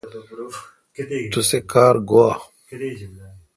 توسی کار گوا۔